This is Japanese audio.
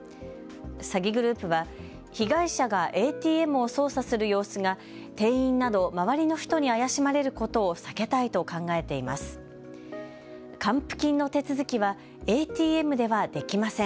詐欺グループは被害者がＡＴＭを操作する様子が店員など周りの人に怪しまれることを避けたいと考えています。